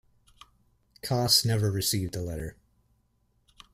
Kaas never received the letter.